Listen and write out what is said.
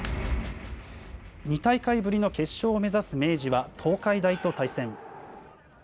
２大会ぶりの決勝を目指す明治は、東海大と対戦。